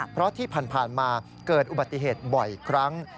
เพราะที่ผ่านมาเกิดอุบัติเหตุบ่อยครั้ง